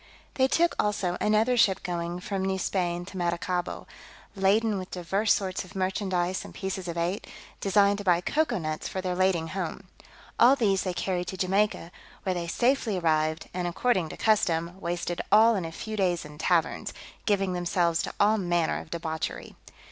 They took also another ship going from New Spain to Maracaibo, laden with divers sorts of merchandise and pieces of eight, designed to buy cocoa nuts for their lading home: all these they carried to Jamaica, where they safely arrived, and, according to custom, wasted all in a few days in taverns, giving themselves to all manner of debauchery.